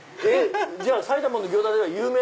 じゃあ埼玉の行田では有名？